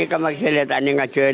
kamu kemasih lihat ini ahjuel